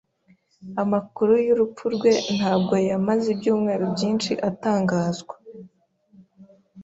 Amakuru y'urupfu rwe ntabwo yamaze ibyumweru byinshi atangazwa.